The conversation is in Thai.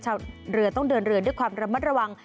ชาวเรือต้องเดินเรือด้วยความระมัดระวัง